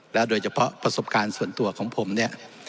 โดยเฉพาะประสบการณ์ส่วนตัวของผมเนี่ย